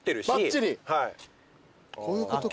こういうことか。